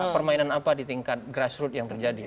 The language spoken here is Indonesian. permainan apa di tingkat grassroot yang terjadi